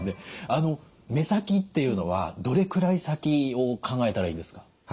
目先っていうのはどれくらい先を考えたらいいんですか？